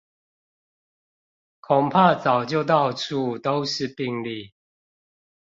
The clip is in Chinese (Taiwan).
恐怕早就到處都是病例